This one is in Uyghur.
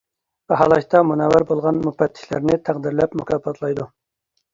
باھالاشتا مۇنەۋۋەر بولغان مۇپەتتىشلەرنى تەقدىرلەپ مۇكاپاتلايدۇ.